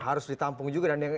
harus ditampung juga